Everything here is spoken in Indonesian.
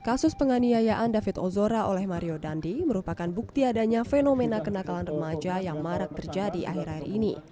kasus penganiayaan david ozora oleh mario dandi merupakan bukti adanya fenomena kenakalan remaja yang marak terjadi akhir akhir ini